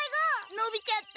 のびちゃった！